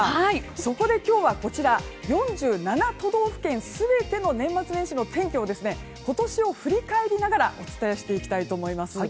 そこで今日は４７都道府県全ての年末年始の天気を今年を振り返りながらお伝えしていきたいと思います。